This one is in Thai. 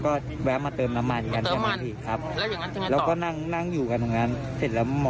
ออกไปแป๊บนึงแล้ววนกลับมาใหม่